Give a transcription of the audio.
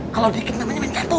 kalau dikit namanya menjatuh